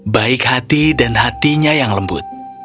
baik hati dan hatinya yang lembut